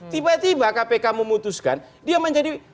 tiba tiba kpk memutuskan dia menjadi